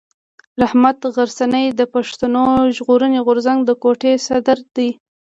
رحمت غرڅنی د پښتون ژغورني غورځنګ د کوټي صدر دی.